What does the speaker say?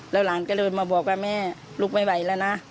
แล้วหลานก็เดินมาบอกว่าแม่ลูกไม่ไหวแล้วนะ